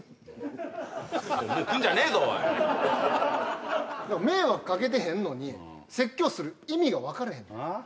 もう来るんじゃねえぞおい迷惑かけてへんのに説教する意味が分かれへんねんああ？